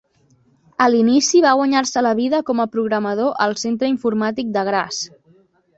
A l'inici va guanyar-se la vida com a programador al centre informàtic de Graz.